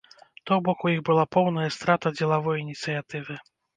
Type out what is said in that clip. То бок, у іх была поўная страта дзелавой ініцыятывы.